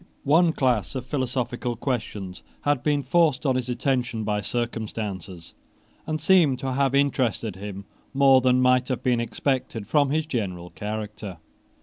One class of philosophical questions had been forced on his attention by circumstances, and seems to have interested him more than might have been expected from his general character.